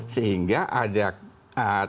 sehingga ada tentara di sana